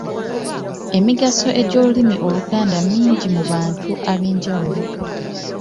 Emigaso gy’Olulimi Oluganda mingi mu bantu ab'enjawulo.